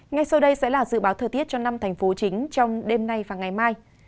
ngay sau đây sẽ là dự báo thời tiết cho năm thành phố chính trong đêm nay và ngày mai